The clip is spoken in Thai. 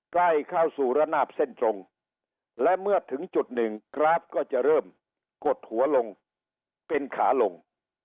ใกล้เข้าสู่ระนาบเส้นตรงและเมื่อถึงจุดหนึ่งกราฟก็จะเริ่มกดหัวลงเป็นขาลง